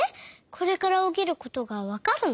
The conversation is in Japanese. これからおきることがわかるの？